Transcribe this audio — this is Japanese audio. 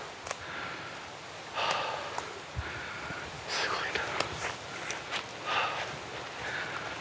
すごいな。